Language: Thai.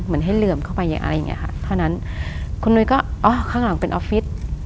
เหมือนให้เหลื่อมเข้าไปอย่างอะไรอย่างเงี้ค่ะเท่านั้นคุณนุ้ยก็อ๋อข้างหลังเป็นออฟฟิศ